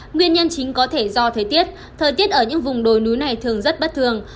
nguyên nhân chính có thể do thời tiết thời tiết ở những vùng đồi núi này thường rất bất thường